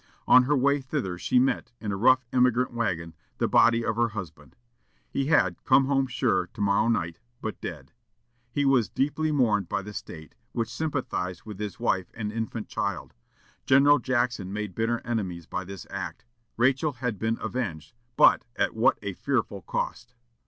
On her way thither she met, in a rough emigrant wagon, the body of her husband. He had "come home, sure, to morrow night" but dead! He was deeply mourned by the State, which sympathized with his wife and infant child. General Jackson made bitter enemies by this act. Rachel had been avenged, but at what a fearful cost!